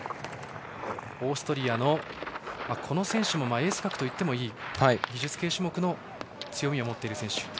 オーストリアのこの選手もエース格といってもいい技術系種目の強みを持っている選手。